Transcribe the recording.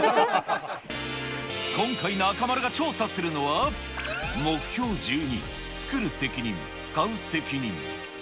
今回中丸が調査するのは、目標１２、つくる責任使う責任。